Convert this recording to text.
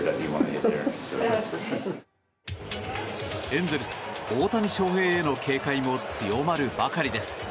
エンゼルス、大谷翔平への警戒も強まるばかりです。